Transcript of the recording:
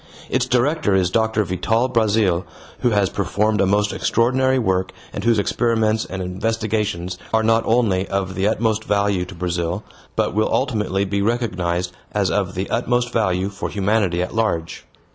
Its director is Doctor Vital Brazil, who has performed a most extraordinary work and whose experiments and investigations are not only of the utmost value to Brazil but will ultimately be recognized as of the utmost value for humanity at large.